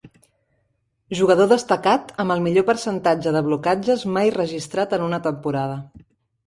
Jugador Destacat amb el millor percentatge de blocatges mai registrat en una temporada.